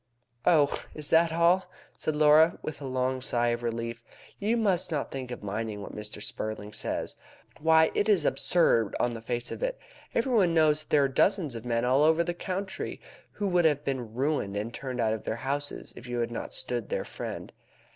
"Oh, is that all?" said Laura, with a long sigh of relief. "You must not think of minding what Mr. Spurling says. Why, it is absurd on the face of it! Everybody knows that there are dozens of men all over the country who would have been ruined and turned out of their houses if you had not stood their friend.